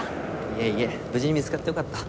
いえいえ無事に見つかってよかった。